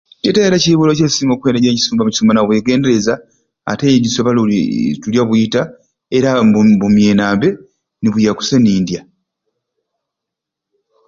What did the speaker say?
Yete era ekiibulo kyensinga kweteja okisu okisumba na bwegendereza ate iswe abaruuli Ii tulya bwita era mbu mbu mbumyena mbe nibuyya kusai ni ndya.